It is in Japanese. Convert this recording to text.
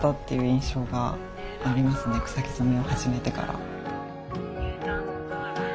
草木染めを始めてから。